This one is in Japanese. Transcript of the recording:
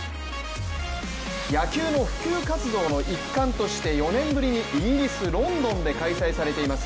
野球の普及活動の一環として４年ぶりにイギリス・ロンドンで開催されています